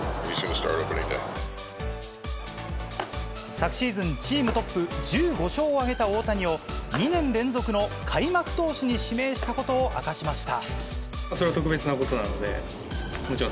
昨シーズン、チームトップ１５勝を挙げた大谷を２年連続の開幕投手に指名したことを明かしました。